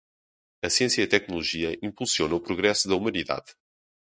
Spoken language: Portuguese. A ciência e a tecnologia impulsionam o progresso da humanidade.